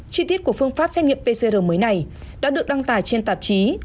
chi tiết của phương pháp xét nghiệm pcr mới này đã được đăng tải trên tạp chí